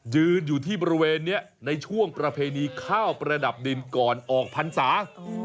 ยืนอยู่ที่บริเวณนี้ในช่วงประเพณีข้าวประดับดินก่อนออกพรรษา